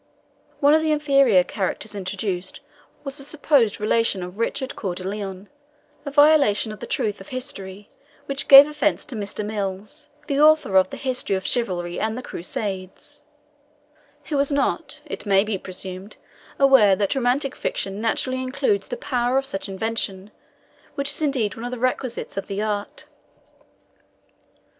One of the inferior characters introduced was a supposed relation of Richard Coeur de Lion a violation of the truth of history which gave offence to Mr. Mills, the author of the "History of Chivalry and the Crusades," who was not, it may be presumed, aware that romantic fiction naturally includes the power of such invention, which is indeed one of the requisites of the art.